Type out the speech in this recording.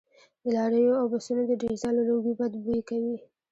د لاریو او بسونو د ډیزلو لوګي بد بوی کوي